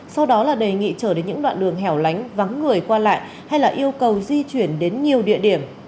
sau đó là đề nghị trở đến những đoạn đường hẻo lánh vắng người qua lại hay là yêu cầu di chuyển đến nhiều địa điểm